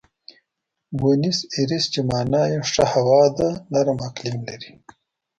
بونیس ایرس چې مانا یې ښه هوا ده، نرم اقلیم لري.